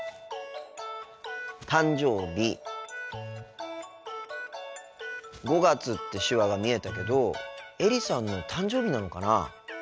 「誕生日」「５月」って手話が見えたけどエリさんの誕生日なのかな？